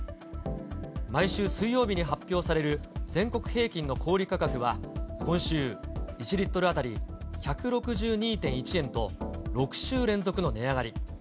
毎週水曜日に発表される全国平均の小売り価格は、今週、１リットル当たり１６２．１円と、６週連続の値上がり。